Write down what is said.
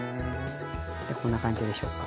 こんな感じでしょうか。